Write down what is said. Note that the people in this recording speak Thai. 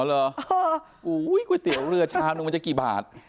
เหรอก๋วยเตี๋ยวเรือชามนึงมันจะกี่บาท